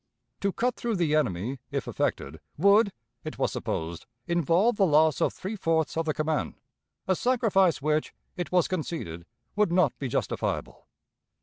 To cut through the enemy, if effected, would, it was supposed, involve the loss of three fourths of the command, a sacrifice which, it was conceded, would not be justifiable.